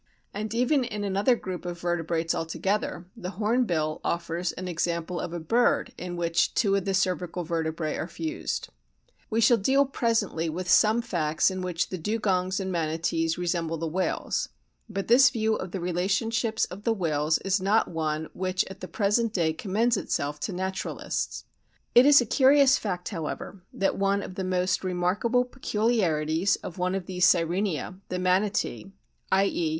And even in another group of vertebrates altogether, the Hornbill offers an example of a bird in which two of the cervical vertebrae are fused. We shall deal presently with some facts in which the Dugongs and Manatees resemble the whales, but FIG. 8. CERVICAL VERTEBR/E OF RIGHT WHALE. (From van Beneden and Gervais.) this view of the relationships of the whales is not one which at the present day commends itself to naturalists. It is a curious fact, however, that one of the most remarkable peculiarities of one of these Sirenia, the Manatee, i.e.